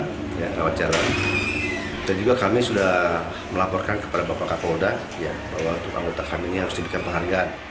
kita juga kami sudah melaporkan kepada bapak kapolda bahwa untuk anggota kami ini harus diberikan penghargaan